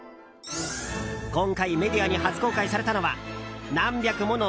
今回メディアに初公開されたのは何百もの